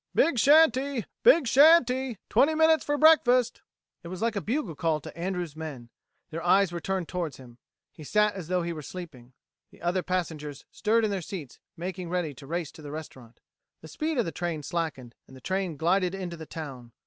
"Big Shanty! Big Shanty! Twenty minutes for breakfast." It was like a bugle call to Andrews' men. Their eyes were turned toward him. He sat as though he were sleeping. The other passengers stirred in their seats, making ready to race to the restaurant. The speed of the train slackened, and the train glided into the town.